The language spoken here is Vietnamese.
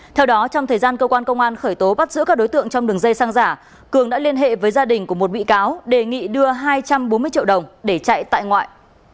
theo đó trong thời gian cơ quan công an khởi tố bắt giữ các đối tượng trong đường dây xăng giả cường đã liên hệ với gia đình của một bị cáo đề nghị đưa hai trăm bốn mươi triệu đồng để chạy tại ngoại